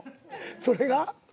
それが？